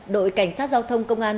đội cảnh sát giao thông công an